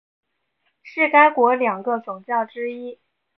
是该国两个总教区之一。